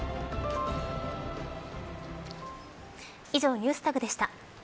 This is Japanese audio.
以上、ＮｅｗｓＴａｇでした。